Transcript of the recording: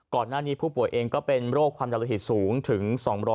ก่อนหน้านี้ผู้ป่วยเองก็เป็นโรคความดันโลหิตสูงถึง๒๐๐